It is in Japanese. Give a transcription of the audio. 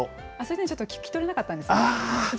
ちょっと聞き取れなかったんですよ。